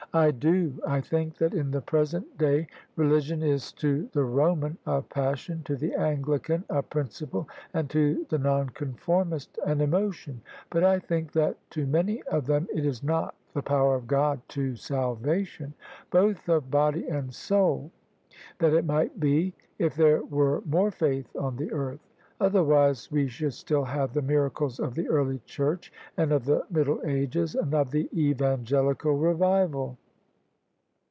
" I do. I think that in the present day religion is to the Roman a passion, to the Anglican a principle, and to the Nonconformist an emotion: but I think that to many of them it is not the power of God to salvation — ^both of body and soul — that it might be, if there were more faith on the earth. Otherwise we should still have the miracles of the early Church and of the Middle ages and of the Evangelical Revival."